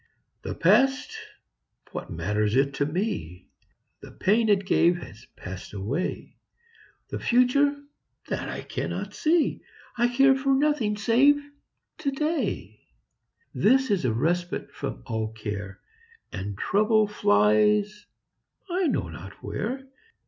The past what matters it to me? The pain it gave has passed away. The future that I cannot see! I care for nothing save to day This is a respite from all care, And trouble flies I know not where.